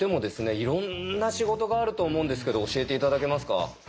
いろんな仕事があると思うんですけど教えて頂けますか？